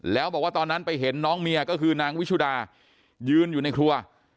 แล้วบอกว่าตอนนั้นไปเห็นน้องเมียก็คือนางวิชุดายืนอยู่ในครัว